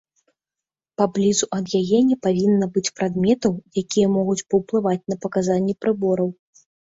Паблізу ад яе не павінна быць прадметаў, якія могуць паўплываць на паказанні прыбораў.